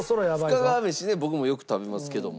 深川めしね僕もよく食べますけども。